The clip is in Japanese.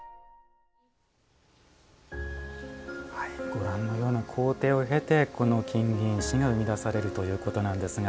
ご覧のような工程を経てこの金銀糸が生み出されるということなんですが。